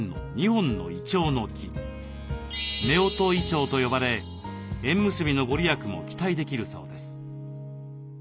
夫婦銀杏と呼ばれ縁結びのご利益も期待できるそうです。